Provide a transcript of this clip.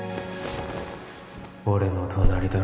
俺の隣だろ？